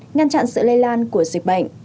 ngăn chặn sự lây lan của dịch bệnh